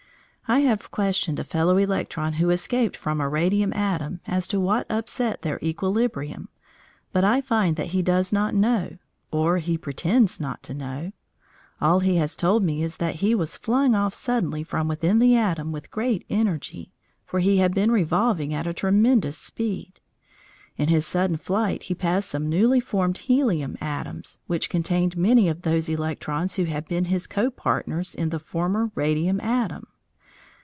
I have questioned a fellow electron who escaped from a radium atom as to what upset their equilibrium, but I find that he does not know, or he pretends not to know. All he has told me is that he was flung off suddenly from within the atom with great energy, for he had been revolving at a tremendous speed. In his sudden flight he passed some newly formed helium atoms, which contained many of those electrons who had been his co partners in the former radium atom.